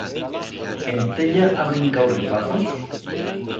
En Tella ha brincau ripazos?